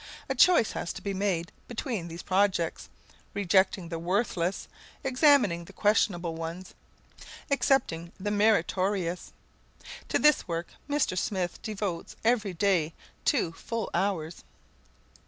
A choice has to be made between these projects, rejecting the worthless, examining the questionable ones, accepting the meritorious. To this work Mr. Smith devotes every day two full hours.